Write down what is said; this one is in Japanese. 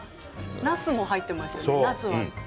なすも入っていましたよね。